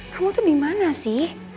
kamu tuh dimana sih